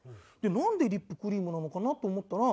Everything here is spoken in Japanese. なんでリップクリームなのかな？と思ったら。